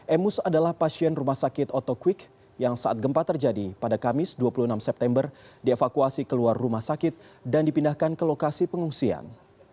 emus adalah pasien rumah sakit otokwik yang saat gempa terjadi pada kamis dua puluh enam september dievakuasi keluar rumah sakit dan dipindahkan ke lokasi pengungsian